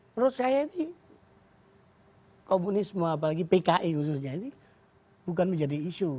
menurut saya ini komunisme apalagi pki khususnya ini bukan menjadi isu